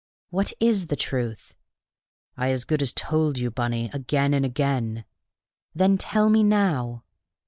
"What is the truth?" "I as good as told you, Bunny, again and again." "Then tell me now."